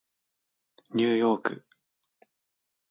ニューヨーク